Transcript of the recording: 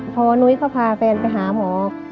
พอนุ้ยเขาพาแฟนไปหาหมอ